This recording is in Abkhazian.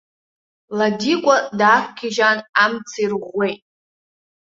Ладикәа даақәгьежьаан амца ирӷәӷәеит.